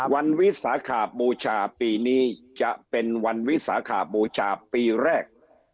วิสาขาบูชาปีนี้จะเป็นวันวิสาขาบูชาปีแรก